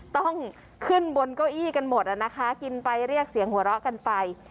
ต้องขึ้นบนเก้าอี้กันหมดนะคะกินไปเรียกเสียงหัวเราะกันไป